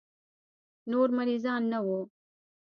نور مريضان نه وو.